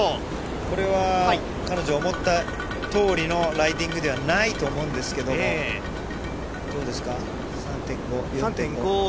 これは彼女は思った通りのライディングではないと思うんですけども、どうですか？